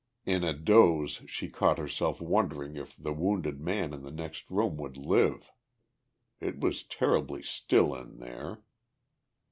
In a doze she caught herself wondering if the wounded man in the next room would live. It was terribly still in there.